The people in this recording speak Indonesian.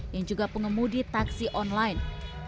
yang juga pengemudi taksi online